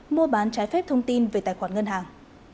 mua bán trái phép thông tin về tài khoản ngân hàng